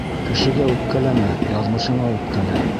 Кешегә үпкәләмә, яҙмышыңа үпкәлә.